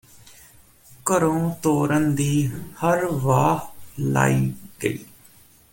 ਘਰੋਂ ਤੋਰਨ ਦੀ ਹਰ ਵਾਹ ਲਾਈ ਗਈ